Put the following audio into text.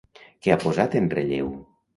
Què ha posat en relleu?